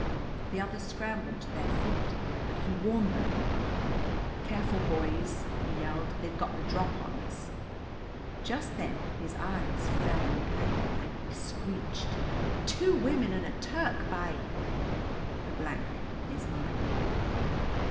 The others scrambled to their feet, but he warned them. "Careful, boys!" he yelled. "They're got the drop on us." Just then his eyes fell on Aggie, and he screeched: "Two women and a Turk, by ." The blank is mine.